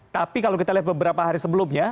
tapi kalau kita lihat beberapa hari sebelumnya